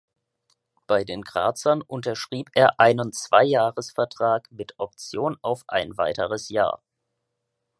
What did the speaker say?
Bei den Grazern unterschrieb er einen Zweijahresvertrag mit Option auf ein weiteres Jahr.